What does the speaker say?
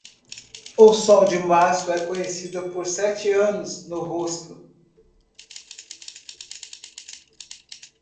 O sol de março é conhecido por sete anos no rosto.